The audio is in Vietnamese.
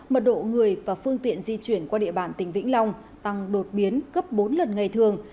mật độ người và phương tiện di chuyển qua địa bàn tỉnh vĩnh long tăng đột biến gấp bốn lần ngày thường